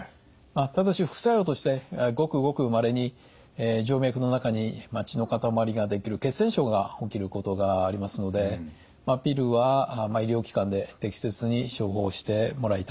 ただし副作用としてごくごくまれに静脈の中に血の塊が出来る血栓症が起きることがありますのでピルは医療機関で適切に処方してもらいたいと思います。